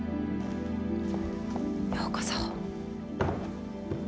ようこそ。